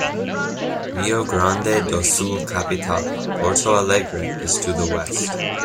Rio Grande do Sul capital, Porto Alegre, is to the west.